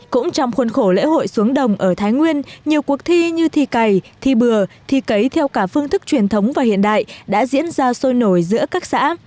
cũng trong khuôn khổ lễ hội xuống đồng ở thái nguyên nhiều cuộc thi như thi cày thi bừa thi cấy theo cả phương thức truyền thống và hiện đại đã diễn ra sôi nổi giữa các xã